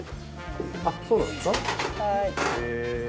あっそうなんですか？